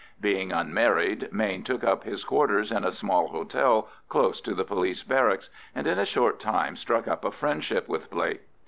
Being unmarried, Mayne took up his quarters in a small hotel close to the police barracks, and in a short time struck up a friendship with Blake.